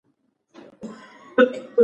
مځکه له سرو زرو او نفته ډکه ده.